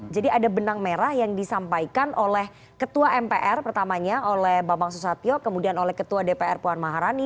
jadi ada benang merah yang disampaikan oleh ketua mpr pertamanya oleh bapak susatyo kemudian oleh ketua dpr puan maharani